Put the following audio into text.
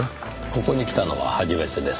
ここに来たのは初めてです。